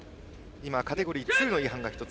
今、カテゴリー２の違反が１つ。